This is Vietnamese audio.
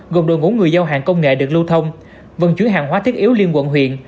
gồm đội ngũ người giao hàng công nghệ được lưu thông vận chuyển hàng hóa thiết yếu liên quận huyện